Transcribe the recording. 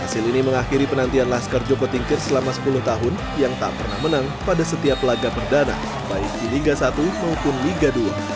hasil ini mengakhiri penantian laskar joko tingkir selama sepuluh tahun yang tak pernah menang pada setiap laga perdana baik di liga satu maupun liga dua